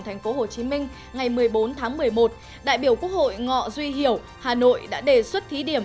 thành phố hồ chí minh ngày một mươi bốn tháng một mươi một đại biểu quốc hội ngọ duy hiểu hà nội đã đề xuất thí điểm